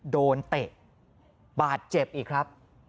เตะบาดเจ็บอีกครับ